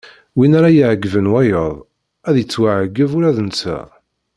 Win ara iɛeggben wayeḍ ad ittuɛeggeb ula d netta.